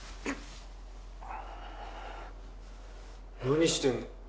何してんの？